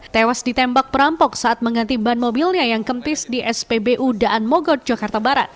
tewas ditembak perampok saat mengganti ban mobilnya yang kempis di spbu daan mogot jakarta barat